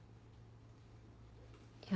いや。